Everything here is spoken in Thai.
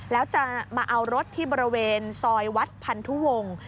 แล้วจะมาเอารถที่บริเวณซอยวัดพันธุวงศ์